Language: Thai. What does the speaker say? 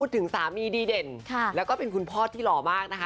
ถึงสามีดีเด่นแล้วก็เป็นคุณพ่อที่หล่อมากนะคะ